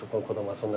そんな。